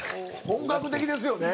「本格的ですよね」